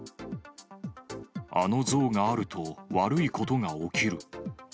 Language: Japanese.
あの像があると悪いことが起きる。